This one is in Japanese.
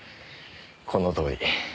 このとおり。